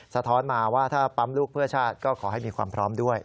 สะท้อนมาว่าถ้าปั๊มลูกเพื่อชาติก็ขอให้มีความพร้อมด้วย